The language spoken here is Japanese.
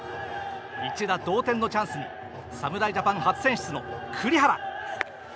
一打同点のチャンスに侍ジャパン初選出の栗原。